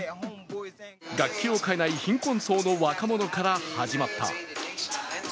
楽器を買えない貧困層の若者から始まった。